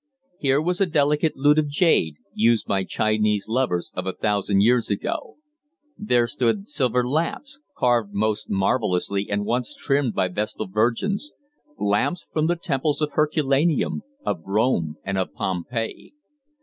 Here was a delicate lute of jade, used by Chinese lovers of a thousand years ago. There stood silver lamps, carved most marvellously and once trimmed by vestal virgins, lamps from the temples of Herculaneum, of Rome and of Pompeii.